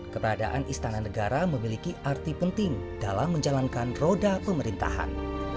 keberadaan istana negara memiliki arti penting dalam menjalankan roda pemerintahan